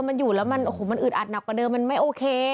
มันอยู่แล้วมันโอ้โหมันอึดอัดหนักกว่าเดิมมันไม่โอเค